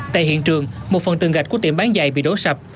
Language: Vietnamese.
tại hiện trường một phần tường gạch của tiệm bán giày bị đổ sập